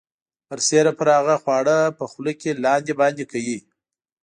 برسیره پر هغه خواړه په خولې کې لاندې باندې کوي.